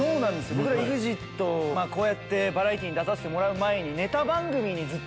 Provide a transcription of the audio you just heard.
僕らこうやってバラエティーに出させてもらう前に。